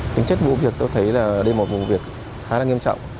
tính chất vụ việc tôi thấy là đây là một vụ việc khá là nghiêm trọng